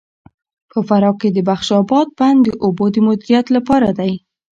په فراه کې د بخش اباد بند د اوبو د مدیریت لپاره دی.